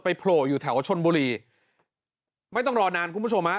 โผล่อยู่แถวชนบุรีไม่ต้องรอนานคุณผู้ชมฮะ